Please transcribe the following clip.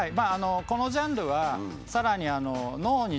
このジャンルはさらに何ですと？